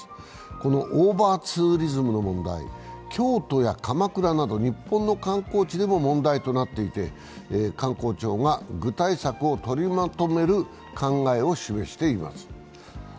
このオーバーツーリズムの問題、京都や鎌倉など日本の観光地でも問題となっていて問題となっていて、観光庁が具体策を取りまとめる考えを示しています。